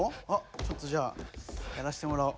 ちょっとじゃあやらしてもらおう。